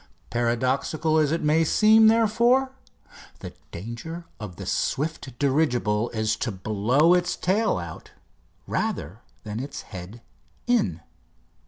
Paradoxical as it may seem, therefore, the danger of the swift dirigible is to blow its tail out rather than its head in.